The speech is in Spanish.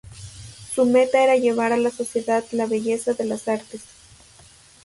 Su meta era llevar a la sociedad la belleza de las artes.